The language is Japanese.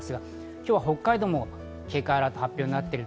今日は北海道も警戒アラートが発表されています。